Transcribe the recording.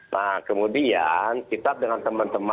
nah kemudian kita dengan teman teman